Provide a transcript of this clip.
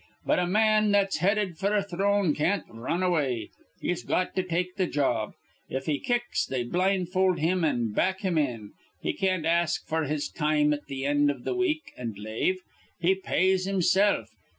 But a man that's headed f'r a throne can't r run away. He's got to take th' job. If he kicks, they blindfold him an' back him in. He can't ask f'r his time at th' end iv th' week, an' lave. He pays himsilf.